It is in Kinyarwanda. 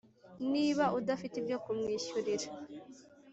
niba udafite ibyo kumwishyurira,